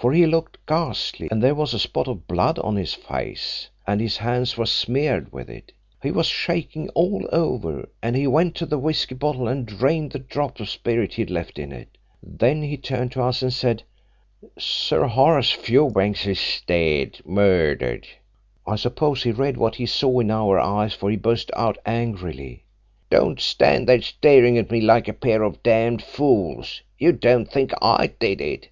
For he looked ghastly, and there was a spot of blood on his face, and his hands were smeared with it. He was shaking all over, and he went to the whisky bottle and drained the drop of spirit he'd left in it. Then he turned to us and said, 'Sir Horace Fewbanks is dead murdered!' I suppose he read what he saw in our eyes, for he burst out angrily, 'Don't stand staring at me like a pair of damned fools. You don't think I did it?